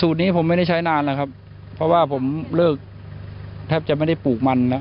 นี้ผมไม่ได้ใช้นานแล้วครับเพราะว่าผมเลิกแทบจะไม่ได้ปลูกมันแล้ว